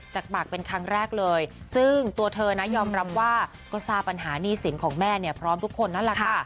จากปากเป็นครั้งแรกเลยซึ่งตัวเธอยอมรับว่ากษาปัญหานีสิงของแม่พร้อมทุกคนนั่นแหละ